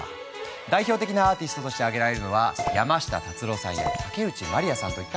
代表的なアーティストとして挙げられるのは山下達郎さんや竹内まりやさんといった方たち。